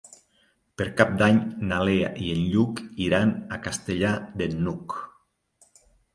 Per Cap d'Any na Lea i en Lluc iran a Castellar de n'Hug.